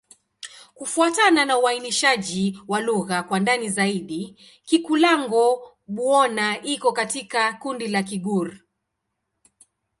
Kufuatana na uainishaji wa lugha kwa ndani zaidi, Kikulango-Bouna iko katika kundi la Kigur.